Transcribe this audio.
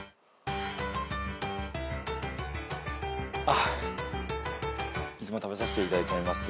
あっいつも食べさせていただいております。